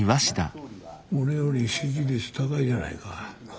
俺より支持率高いじゃないか。